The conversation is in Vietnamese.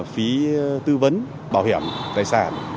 phí tư vấn bảo hiểm tài sản